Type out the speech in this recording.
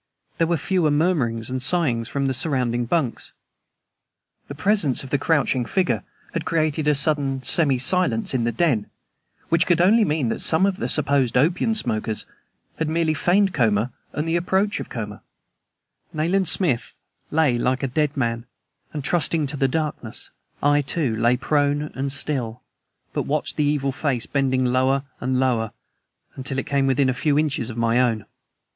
There were fewer murmurings and sighings from the surrounding bunks. The presence of the crouching figure had created a sudden semi silence in the den, which could only mean that some of the supposed opium smokers had merely feigned coma and the approach of coma. Nayland Smith lay like a dead man, and trusting to the darkness, I, too, lay prone and still, but watched the evil face bending lower and lower, until it came within a few inches of my own.